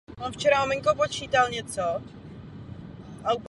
Přeji vám hodně úspěchů a děkuji vám za pozornost.